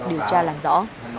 điều tra làm rõ